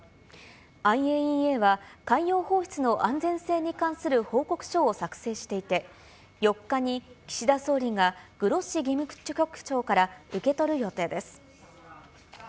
ＩＡＥＡは海洋放出の安全性に関する報告書を作成していて、４日に岸田総理がグロッシ事務局長から受け取る予定です。